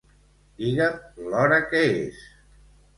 Digue'm l'hora que és.